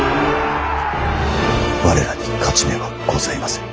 我らに勝ち目はございません。